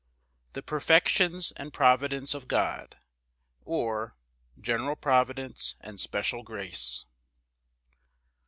The perfections and providence of God; or, General providence and special grace.